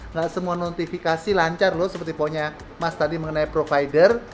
nggak semua notifikasi lancar loh seperti poinnya mas tadi mengenai provider